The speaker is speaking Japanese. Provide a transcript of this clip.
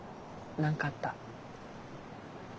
何かあった？